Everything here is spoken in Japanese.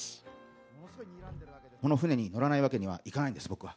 この船に乗らないわけにはいかないんです、僕は。